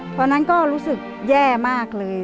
ตอนนั้นก็รู้สึกแย่มากเลย